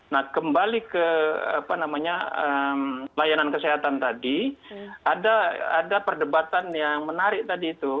nah kembali ke layanan kesehatan tadi ada perdebatan yang menarik tadi itu